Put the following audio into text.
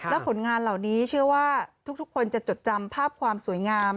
และผลงานเหล่านี้เชื่อว่าทุกคนจะจดจำภาพความสวยงาม